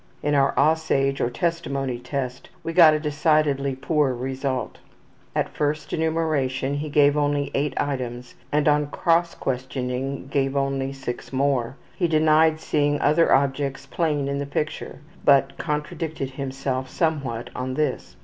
In our ``Aussage'' or Testimony Test we got a decidedly poor result. At first enumeration he gave only 8 items, and on cross questioning gave only 6 more. He denied seeing other objects plain in the picture, but contradicted himself somewhat on this.